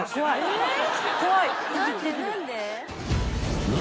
えっ！？